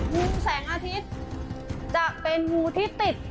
งูแสงอาทิตย์จะเป็นงูที่ติด